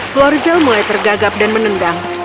florizel mulai tergagap dan menendang